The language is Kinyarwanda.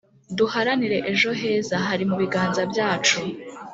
Duharanire ejo heza hari mu biganza byacu